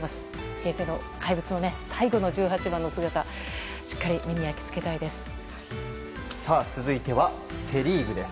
平成の怪物の最後の１８番の姿しっかり目に焼き付けたいです。